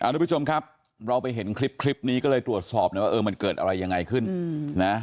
ทุกผู้ชมครับเราไปเห็นคลิปนี้ก็เลยตรวจสอบหน่อยว่าเออมันเกิดอะไรยังไงขึ้นนะ